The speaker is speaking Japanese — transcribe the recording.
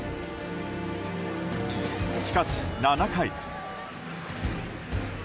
しかし、７回。